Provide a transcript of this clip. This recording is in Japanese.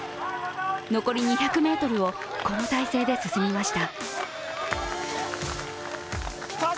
残り２００ｍをこの体勢で進みました。